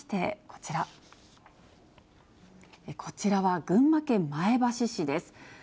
こちらは群馬県前橋市です。